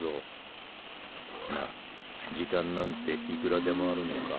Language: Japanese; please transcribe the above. まぁ時間なんていくらでもあるのか。